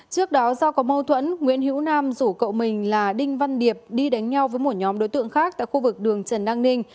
trước đó do có mâu thuẫn nguyễn hữu nam rủ cậu mình là đinh văn điệp đi đánh nhau với một nhóm đối tượng khác tại khu vực đường trần đăng ninh